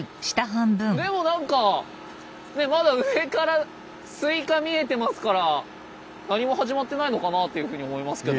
でもなんかねっまだ上からスイカ見えてますから何も始まってないのかなというふうに思いますけど。